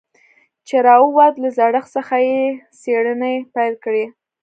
چې راووت له زړښت څخه يې څېړنې پيل کړې.